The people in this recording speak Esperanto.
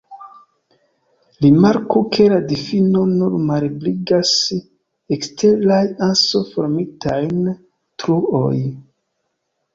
Rimarku ke la difino nur malebligas eksteraj anso-formitajn truoj.